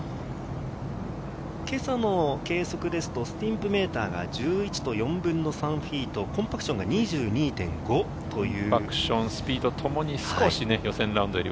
今朝の計測ですと、スティンプメーターが１１と３／４フィート、コンパクションが２２．５という。